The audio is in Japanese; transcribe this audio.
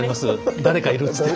誰かいるっつって。